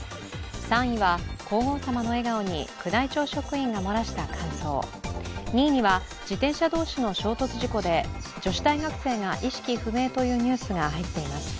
３位は、皇后さまの笑顔に宮内庁職員が漏らした感想、２位には、自転車同士の衝突事故で、女子大学生が意識不明というニュースが入っています。